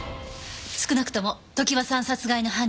少なくとも常盤さん殺害の犯人ではない。